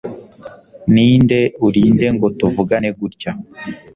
Ninde uri nde ngo tuvugane gutya